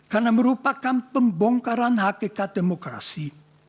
karena merupakan pembongkaran hakikat demokrasi